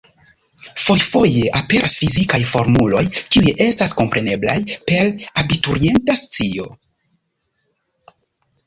Fojfoje aperas fizikaj formuloj, kiuj estas kompreneblaj per abiturienta scio.